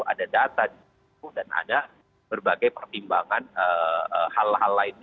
ada data di situ dan ada berbagai pertimbangan hal hal lainnya